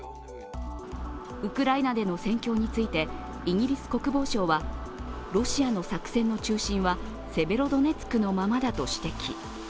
ウクライナでの戦況についてイギリス国防省はロシアの作戦の中心はセベロドネツクのままだと指摘。